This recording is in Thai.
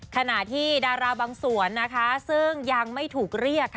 ขณะที่ดาราบางส่วนนะคะซึ่งยังไม่ถูกเรียกค่ะ